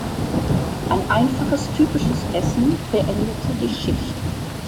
Ein einfaches, typisches Essen beendete die Schicht.